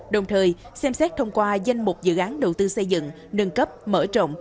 đồng thời xem xét thông qua danh mục dự án đầu tư xây dựng nâng cấp mở rộng